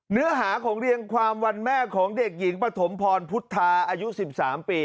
เนื้อหาของเรียงความวันแม่ของเด็กหญิงปฐมพรพุทธาอายุ๑๓ปี